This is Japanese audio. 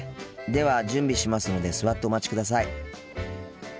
では準備しますので座ってお待ちください。